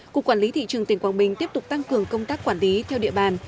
cục quản lý thị trường tiền quang bình tiếp tục tăng cường công tác quản lý theo địa bàn